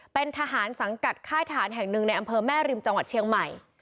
เป็นทหารสังกัดค่ายทหารแห่งหนึ่งในอำเภอแม่ริมจังหวัดเชียงใหม่